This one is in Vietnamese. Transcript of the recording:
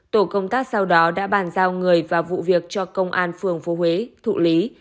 tổ công tác sau đó đã bàn giao người và vụ việc cho công an phường phố huế thụ lý